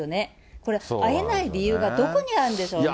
これ、会えない理由がどこにあるんでしょうね。